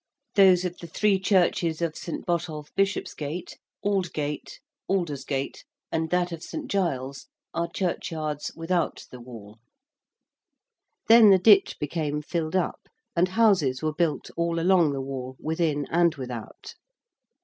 Those of the three churches of St. Botolph, Bishopsgate, Aldgate, Aldersgate, and that of St. Giles are churchyards without the Wall. Then the ditch became filled up and houses were built all along the Wall within and without.